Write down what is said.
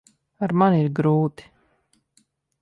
Ar mani ir grūti.